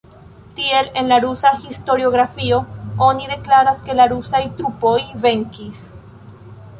Tial en la rusa historiografio oni deklaras, ke la rusaj trupoj "venkis".